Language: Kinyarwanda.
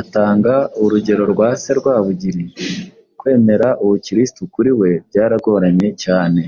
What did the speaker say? atanga urugero rwa se Rwabugili. Kwemera ubukirisitu kuri we byaragoranye cyane,